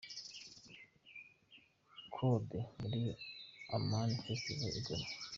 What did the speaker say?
Kode muri Amani Festival i Goma.